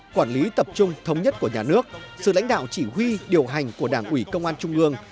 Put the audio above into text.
quản lý tập trung thống nhất của nhà nước sự lãnh đạo chỉ huy điều hành của đảng ủy công an trung ương